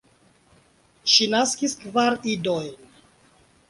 Ŝi naskis kvar idojn.